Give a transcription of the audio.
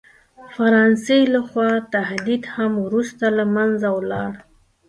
فرانسې له خوا تهدید هم وروسته له منځه ولاړ.